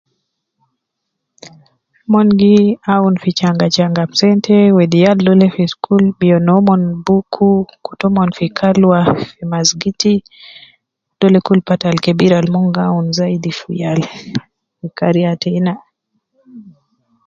Mon gi awun fi changachanga sente, wedi yal dolde fi school, biyo nomon booku, kutu omon fi kalwa fi masgiti, dole kul part ab kebir ab mon gi awunu zaidi fi yal al fi kariya tena.